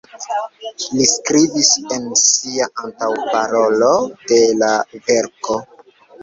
Li skribis en sia antaŭparolo de la verko.